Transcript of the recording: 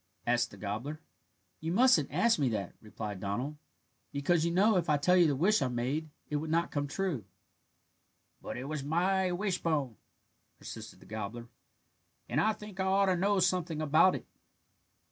asked the gobbler. "You mustn't ask me that," replied Donald, "because, you know, if I tell you the wish I made it would not come true." "But it was my wishbone," persisted the gobbler, "and I think I ought to know something about it."